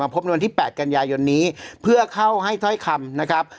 พบในวันที่๘กันยายนนี้เพื่อเข้าให้ถ้อยคำนะครับ